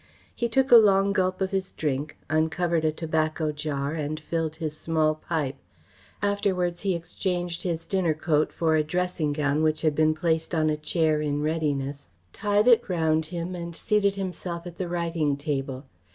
He took a long gulp of his drink, uncovered a tobacco jar and filled his small pipe. Afterwards he exchanged his dinner coat for a dressing gown which had been placed on a chair in readiness, tied it round him and seated himself at the writing table.